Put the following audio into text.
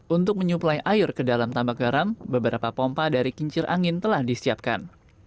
untuk menyuplai air ke dalam tambak garam beberapa pompa dari kincir angin telah disiapkan